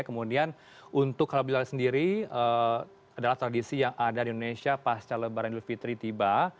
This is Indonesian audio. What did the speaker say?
kemudian untuk kalabila sendiri adalah tradisi yang ada di indonesia pasca lebaran idul fitri tiba